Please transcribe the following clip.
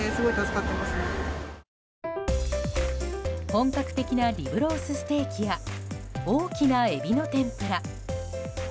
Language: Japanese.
本格的なリブロースステーキや大きなエビの天ぷら。